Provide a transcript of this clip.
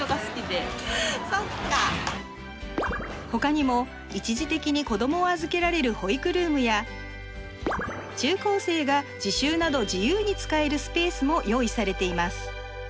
ほかにも一時的に子どもを預けられる保育ルームや中高生が自習など自由に使えるスペースも用意されています